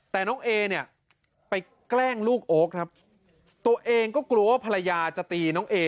แต่น้องเอเนี่ยไปแกล้งลูกโอ๊คครับตัวเองก็กลัวว่าภรรยาจะตีน้องเอ